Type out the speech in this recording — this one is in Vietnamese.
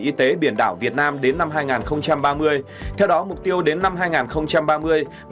y tế biển đảo việt nam đến năm hai nghìn ba mươi theo đó mục tiêu đến năm hai nghìn ba mươi